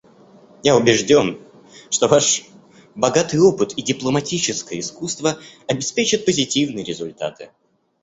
Я убежден, что Ваш богатый опыт и дипломатическое искусство обеспечат позитивные результаты.